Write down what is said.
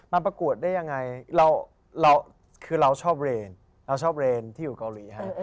ประกวดได้ยังไงเราคือเราชอบเรนเราชอบเรนที่อยู่เกาหลีฮะ